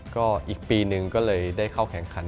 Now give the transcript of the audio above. ก็อีกปีหนึ่งก็เลยได้เข้าแข่งขัน